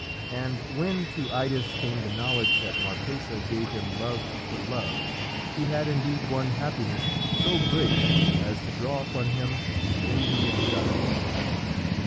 And when to Idas came the knowledge that Marpessa gave him love for love, he had indeed won happiness so great as to draw upon him the envy of the gods.